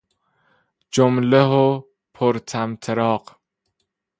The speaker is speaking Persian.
جملهُ پرطمطراق